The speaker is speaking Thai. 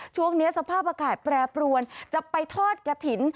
ช่วงนี้สภาพอากาศแปรปรวนจะไปทอดกระถิ่น